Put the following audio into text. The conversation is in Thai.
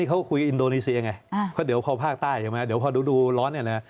นี่เขาคุยกับอินโดนีเซียไงเขาเดี๋ยวเข้าภาคใต้เดี๋ยวพอดูร้อน